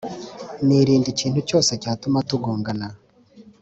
Nirinda ikintu cyose cyatuma tugongana